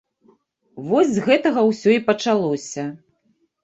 Вось з гэтага ўсё і пачалося.